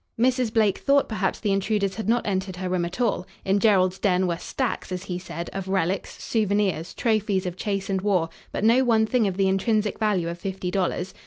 Mrs. Blake thought perhaps the intruders had not entered her room at all. In Gerald's den were "stacks," as he said, of relics, souvenirs, trophies of chase and war, but no one thing of the intrinsic value of fifty dollars.